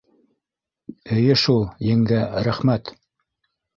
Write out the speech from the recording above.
— Эйе шул, еңгә, рәхмәт.